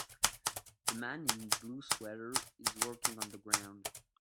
The man in the blue sweater is working on the ground